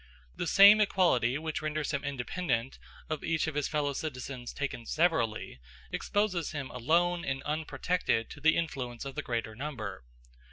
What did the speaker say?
The same equality which renders him independent of each of his fellow citizens taken severally, exposes him alone and unprotected to the influence of the greater number.